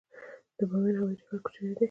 د بامیان هوايي ډګر کوچنی دی